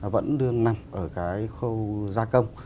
vẫn đương nằm ở cái khâu gia công